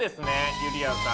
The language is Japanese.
ゆりやんさん。